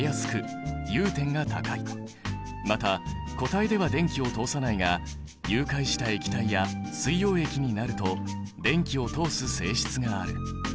また固体では電気を通さないが融解した液体や水溶液になると電気を通す性質がある。